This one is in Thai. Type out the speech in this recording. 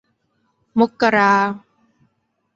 มกรา